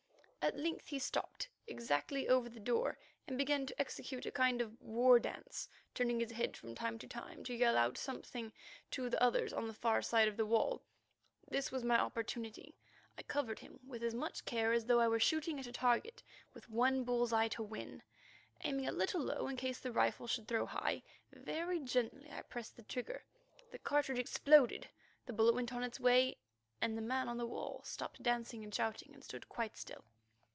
At length he stopped exactly over the door and began to execute a kind of war dance, turning his head from time to time to yell out something to others on the farther side of the wall. This was my opportunity. I covered him with as much care as though I were shooting at a target, with one bull's eye to win. Aiming a little low in case the rifle should throw high, very gently I pressed the trigger. The cartridge exploded, the bullet went on its way, and the man on the wall stopped dancing and shouting and stood quite still.